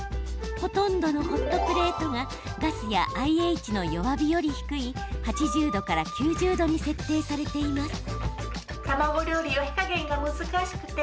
ほとんどのホットプレートがガスやＩＨの弱火より低い８０度から９０度に設定されています。